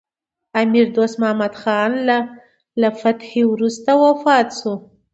امیر دوست محمد خان له فتحې وروسته وفات شو.